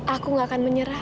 aku gak akan menyerah